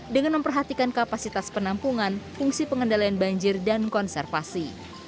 dengan memperhatikan kapasitas penampungan fungsi pengendalian banjir dan konservasi